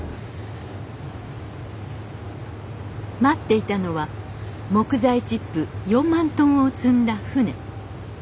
待っていたのは木材チップ４万トンを積んだ船。